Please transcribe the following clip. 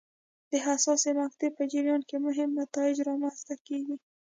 د حساسې مقطعې په جریان کې مهم نتایج رامنځته کېږي.